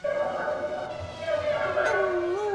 په لومړي سر کي